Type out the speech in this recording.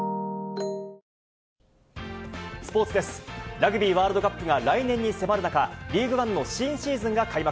ラグビーワールドカップが来年に迫る中、リーグワンの新シーズンが開幕。